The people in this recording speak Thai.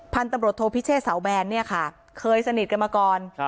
พันธุ์ตำรวจโทพิเชษเสาแบนเนี่ยค่ะเคยสนิทกันมาก่อน